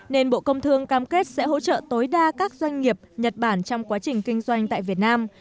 nên bộ công thương cam kết sẽ hỗ trợ tối đa các doanh nghiệp nhật bản trong quá trình kinh doanh tại việt nam